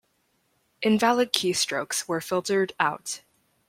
Invalid keystrokes were filtered out.